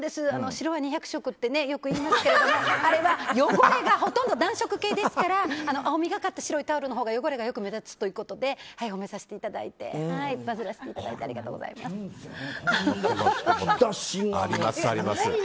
白は２００色ってよく言いますけれどもあれは汚れがほとんど暖色系ですから青みがかった白いタオルのほうが汚れが目立つということで褒めさせていただいてバズらせていただいてありがとうございます。